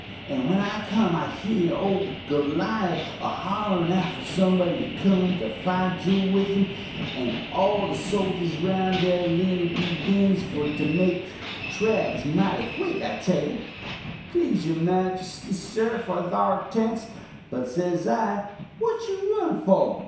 And when I cum I hear ole Golliawh a hollerin out for somebody to cum and fite juul with um; and all the soljurs round thar they begins for to make traks mighty quick, I tell you, please your majuste, sir, for thar tents; but, says I, what you run for?